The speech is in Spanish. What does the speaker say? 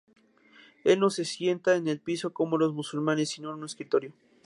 Él no se sienta en el piso como los musulmanes sino en un escritorio.